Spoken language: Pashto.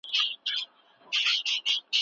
مقابل اړخ تاسو د ځان لپاره وړ اشخاص ګڼي.